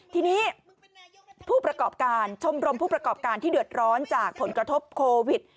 ทีนี้ผู้ประกอบการชมรมผู้ประกอบการที่เดือดร้อนจากผลกระทบโควิด